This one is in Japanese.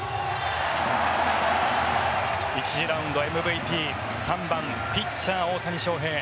１次ラウンドＭＶＰ３番ピッチャー、大谷翔平。